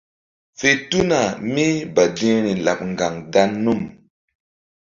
Fe tuna mí badi̧hri laɓ ŋgaŋ dan num.